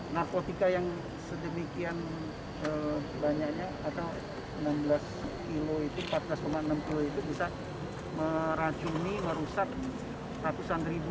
narkotika yang sedemikian banyaknya atau enam belas kilo itu empat belas enam kilo itu bisa meracuni merusak ratusan ribu